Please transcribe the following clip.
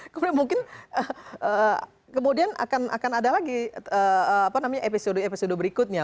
kemudian mungkin kemudian akan ada lagi episode episode berikutnya